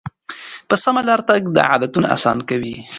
په سمه لاره تګ عادتونه اسانه کوي.